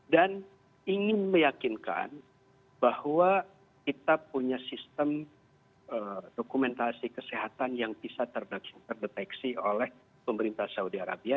dan ingin meyakinkan bahwa kita punya sistem dokumentasi kesehatan yang bisa terdeteksi oleh pemerintah saudi arabia